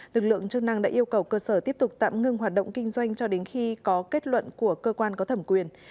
lực lượng chức năng đã yêu cầu cơ sở tiếp tục tạm ngưng hoạt động kinh doanh cho đến khi có kết luận của cơ quan có thẩm quyền